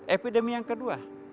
epidemi yang kedua